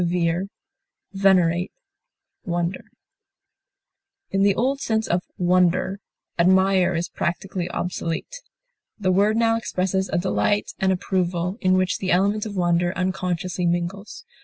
approve, esteem, love, In the old sense of wonder, admire is practically obsolete; the word now expresses a delight and approval, in which the element of wonder unconsciously mingles.